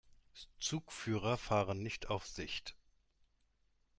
Zugführer fahren nicht auf Sicht.